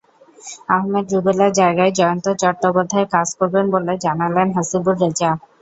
আহমেদ রুবেলের জায়গায় জয়ন্ত চট্টোপধ্যায় কাজ করবেন বলে জানালেন হাসিবুর রেজা।